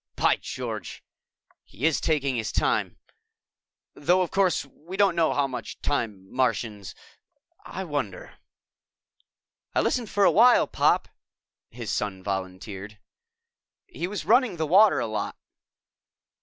"By George, he is taking his time! Though, of course, we don't know how much time Martians ... I wonder." "I listened for a while, Pop," his son volunteered. "He was running the water a lot."